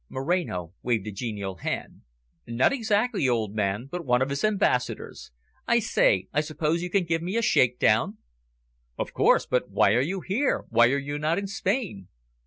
Moreno waved a genial hand. "Not exactly, old man, but one of his ambassadors. I say, I suppose you can give me a shake down." "Of course, but why are you here? Why are you not in Spain?"